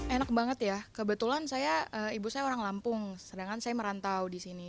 enak banget ya kebetulan saya ibu saya orang lampung sedangkan saya merantau di sini